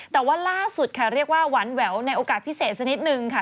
แต่ว่าล่าสุดค่ะเรียกว่าหวานแหววในโอกาสพิเศษสักนิดนึงค่ะ